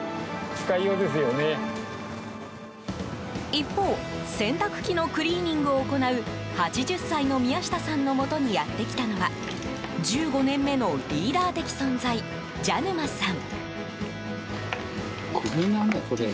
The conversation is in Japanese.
一方、洗濯機のクリーニングを行う８０歳の宮下さんのもとにやって来たのは１５年目のリーダー的存在蛇沼さん。